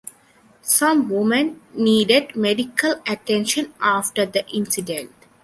Some women needed medical attention after the incident.